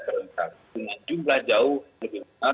terhentak dengan jumlah jauh lebih